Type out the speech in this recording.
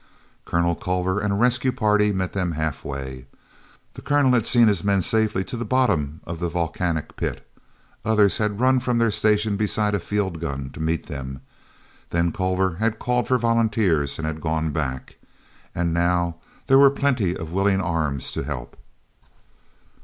Colonel Culver and a rescue party met them halfway. The Colonel had seen his men safely to the bottom of the volcanic pit. Others had run from their station beside a field gun to meet them; then Culver had called for volunteers and had gone back. And now there were plenty of willing arms to help.